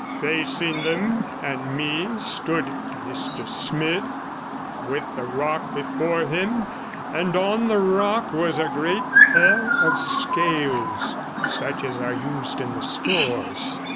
Facing them and me stood Mr Smith, with the rock before him, and on the rock was a great pair of scales, such as are used in the stores.